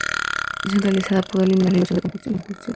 La atención centralizada pudo eliminar la ilusión de conjunciones.